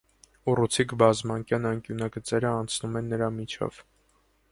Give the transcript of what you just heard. Ուռուցիկ բազմանկյան անկյունագծերը անցնում են նրա միջով։